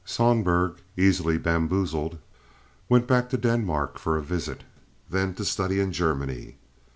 Sohlberg, easily bamboozled, went back to Denmark for a visit, then to study in Germany.